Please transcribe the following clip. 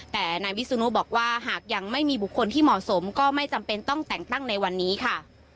แต่นายวิศนุบอกว่าหากยังไม่มีบุคคลที่เหมาะสมก็ไม่จำเป็นต้องแต่งตั้งในวันนี้ค่ะ